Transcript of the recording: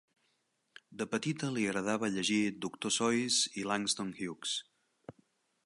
De petita li agradava llegir Doctor Seuss i Langston Hughes.